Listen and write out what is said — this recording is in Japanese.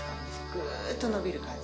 グーッと伸びる感じ。